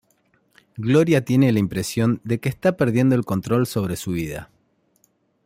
Gloria tiene la impresión de que está perdiendo el control sobre su vida.